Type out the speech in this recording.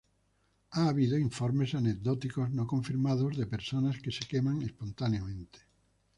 Ha habido informes anecdóticos no confirmados de personas que se queman espontáneamente.